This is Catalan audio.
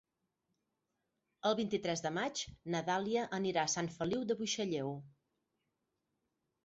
El vint-i-tres de maig na Dàlia anirà a Sant Feliu de Buixalleu.